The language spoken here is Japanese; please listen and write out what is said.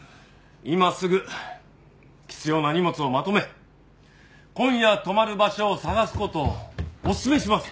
今すぐ必要な荷物をまとめ今夜泊まる場所を探す事をおすすめします。